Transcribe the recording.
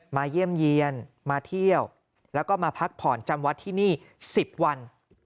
เยี่ยมเยี่ยนมาเที่ยวแล้วก็มาพักผ่อนจำวัดที่นี่๑๐วัน